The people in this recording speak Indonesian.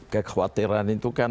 kekhawatiran itu kan